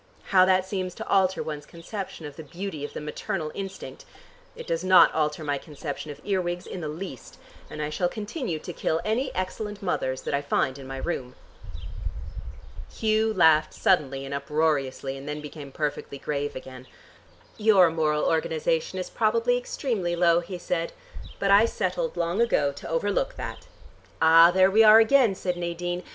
How that seems to alter one's conception of the beauty of the maternal instinct! It does not alter my conception of earwigs in the least, and I shall continue to kill any excellent mothers that I find in my room." Hugh laughed suddenly and uproariously and then became perfectly grave again. "Your moral organization is probably extremely low," he said. "But I settled long ago to overlook that." "Ah, there we are again," said Nadine.